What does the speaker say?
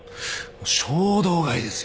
衝動買いですよ。